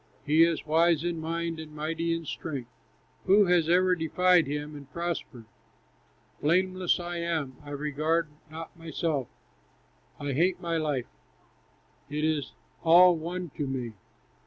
He is wise in mind and mighty in strength, Who has ever defied him and prospered, Blameless I am! I regard not myself; I hate my life; it is all one to me.